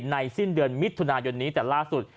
สิ้นเดือนมิถุนายนนี้แต่ล่าสุด